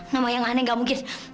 nama yang aneh gak mungkin